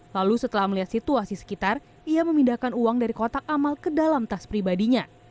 lalu setelah melihat situasi sekitar ia memindahkan uang dari kotak amal ke dalam tas pribadinya